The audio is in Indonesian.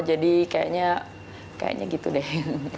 jadi kayaknya kayaknya gitu deh